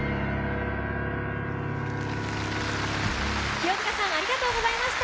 清塚さんありがとうございました。